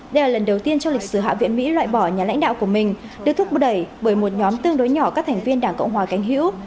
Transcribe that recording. đây là lần đầu tiên trong lịch sử hạ viện mỹ loại bỏ nhà lãnh đạo của mình được thúc đẩy bởi một nhóm tương đối nhỏ các thành viên đảng cộng hòa cánh hữu